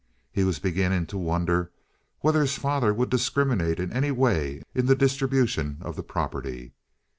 He was beginning to wonder whether his father would discriminate in any way in the distribution of the property.